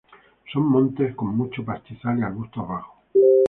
Son montes con mucho pastizal y arbustos bajos.